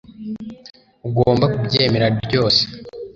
ugomba kubyemera ryose